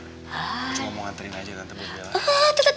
cuma mau ngantriin aja tante bu bella